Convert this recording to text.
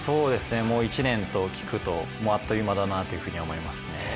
もう１年と聞くとあっという間だなというふうに思いますね。